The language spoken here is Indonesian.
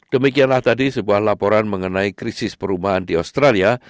demikianlah tadi sebuah laporan mengenai krisis perumahan di australia